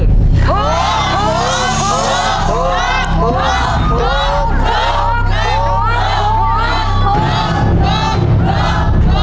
ถูก